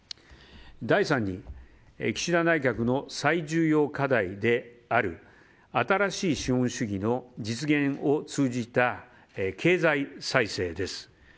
第３に、岸田内閣の最重要課題である新しい資本主義の実現を通じた経済再生です。